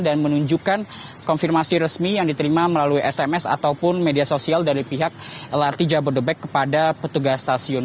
dan menunjukkan konfirmasi resmi yang diberikan oleh lrt jabodetabek